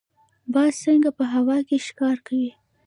باز څنګه په هوا کې ښکار کوي؟